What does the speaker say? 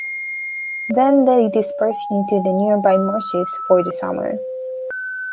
Then they disperse into the nearby marshes for the summer.